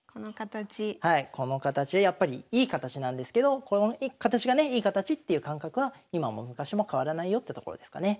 この形やっぱりいい形なんですけどこの形がねいい形っていう感覚は今も昔も変わらないよってところですかね。